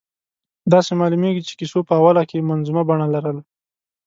داسې معلومېږي چې کیسو په اوله کې منظومه بڼه لرله.